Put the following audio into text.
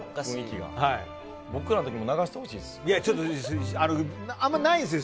僕らの時も流してほしいです。